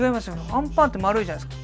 あんパンって丸いじゃないですか。